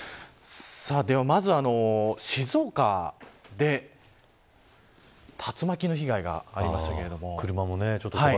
では、まず静岡で竜巻の被害がありました。